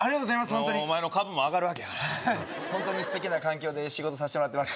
本当にお前の株も上がるわけや本当にすてきな環境で仕事さしてもらってます